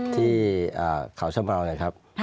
ที่เขาชมอาวุธนะครับ